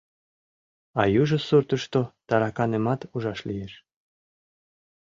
А южо суртышто тараканымат ужаш лиеш.